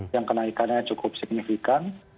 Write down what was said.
yang kenaikannya cukup signifikan